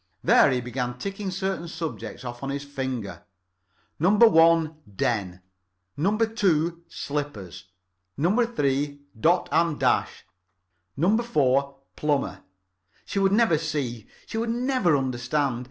There he began ticking certain subjects off on his finger. Number One, Den. Number Two, Slippers. Number Three, Dot and Dash. Number Four, Plumber. She would never see. She would never understand.